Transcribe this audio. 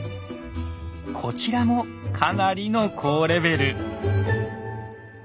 こちらもかなりの高レベル。